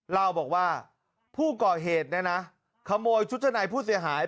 เล่าบอกว่าผู้เกาะเหตุนะนะขโมยชุดชะนายผู้เสียหาย